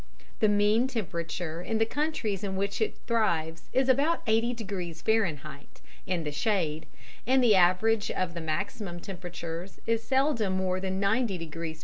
The mean temperature in the countries in which it thrives is about 80 degrees F. in the shade, and the average of the maximum temperatures is seldom more than 90 degrees F.